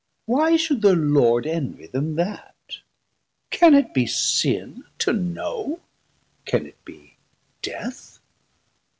Why should thir Lord Envie them that? can it be sin to know, Can it be death?